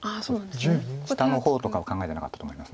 下の方とかは考えてなかったと思います。